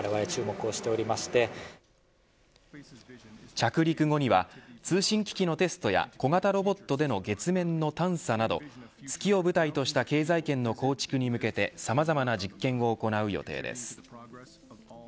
着陸後には通信機器のテストや小型ロボットでの月面の探査など月を舞台とした経済圏の構築に向けてさまざまな実験を行う予定です。